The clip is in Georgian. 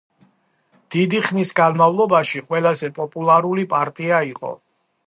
დიდი ხნის განმავლობაში ყველაზე პოპულარული პარტია იყო.